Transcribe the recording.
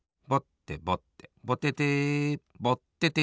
ぼててぼってて。